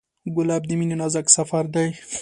ګلاب د مینې نازک سفر دی.